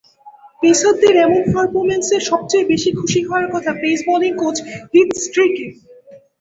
পেসারদের এমন পারফরম্যান্সে সবচেয়ে বেশি খুশি হওয়ার কথা পেস বোলিং কোচ হিথ স্ট্রিকের।